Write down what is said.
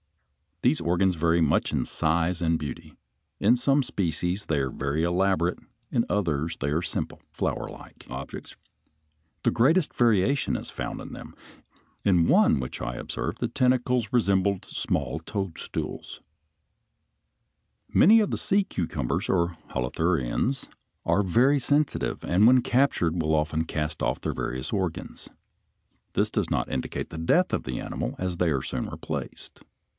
These organs vary much in size and beauty. In some species they are very elaborate, in others they are simple, flowerlike objects. The greatest variation is found in them. In one which I observed the tentacles resembled small toadstools. [Illustration: FIG. 59. Anchorlike spicules of Synapta.] Many of the sea cucumbers, or holothurians, are very sensitive, and when captured will often cast off their various organs. This does not indicate the death of the animal, as they are soon replaced.